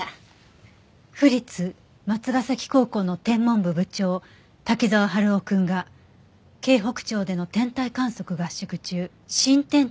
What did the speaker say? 「府立松ヶ崎高校の天文部部長滝沢春夫君が京北町での天体観測合宿中新天体を発見」